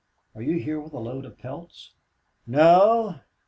Are you here with a load of pelts?" "No.